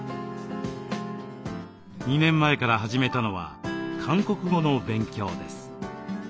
２年前から始めたのは韓国語の勉強です。